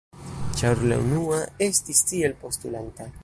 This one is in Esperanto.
Ĉar la unua estis tiel postulanta.